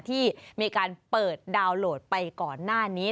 ที่มีการเปิดดาวน์โหลดไปก่อนหน้านี้